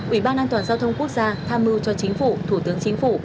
ủy ban an toàn giao thông quốc gia tham mưu cho chính phủ thủ tướng chính phủ